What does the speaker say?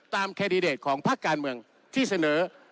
แคนดิเดตของภาคการเมืองที่เสนอ